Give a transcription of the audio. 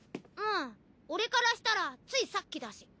うん俺からしたらついさっきだし。